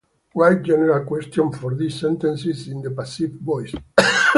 Write general questions for these sentences in the passive voice.